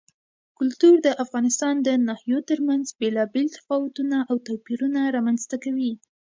کلتور د افغانستان د ناحیو ترمنځ بېلابېل تفاوتونه او توپیرونه رامنځ ته کوي.